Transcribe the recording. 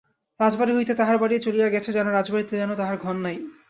রাজবাড়ি হইতে তাহার বাড়ি চলিয়া গেছে যেন, রাজবাড়িতে যেন তাহার ঘর নাই।